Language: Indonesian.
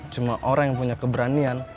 cuma orang yang punya keberanian